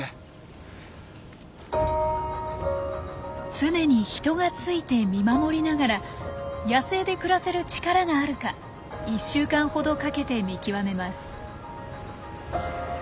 常に人がついて見守りながら野生で暮らせる力があるか１週間ほどかけて見極めます。